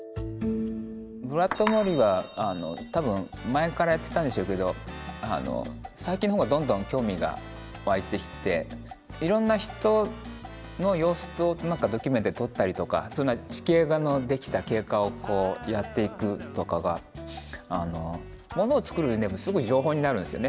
「ブラタモリ」は多分前からやってたんでしょうけど最近のほうがどんどん興味が湧いてきていろんな人の様子をドキュメントで撮ったりとか地形のできた経過をこうやっていくとかがものを作る上でもすごい情報になるんですよね。